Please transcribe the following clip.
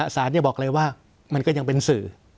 บอกเลยว่ามันก็ยังเป็นสื่อ